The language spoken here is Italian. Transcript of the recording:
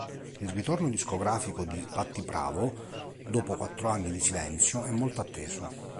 Il ritorno discografico di Patty Pravo, dopo quattro anni di silenzio, è molto atteso.